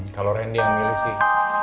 kalau randy yang milih sih